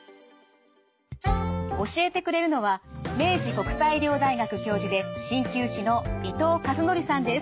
教えてくれるのは明治国際医療大学教授で鍼灸師の伊藤和憲さんです。